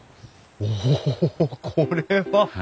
おこれは！